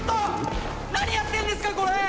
何やってんですかこれ！